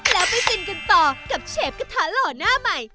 แล้วไปฟินกันต่อกับเชฟกระทะหล่อหน้าใหม่